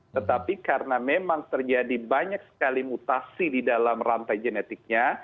tetapi karena memang terjadi banyak sekali mutasi di dalam rantai genetiknya